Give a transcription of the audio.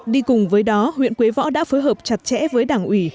đi cùng với đó huyện quế võ đã phối hợp chặt chẽ với đảng ủy